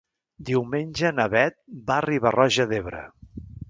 Diumenge na Beth va a Riba-roja d'Ebre.